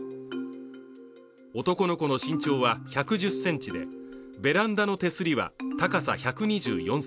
男の子の身長は１１０ｃｍで、ベランダの手すりは高さ１２４ｃｍ。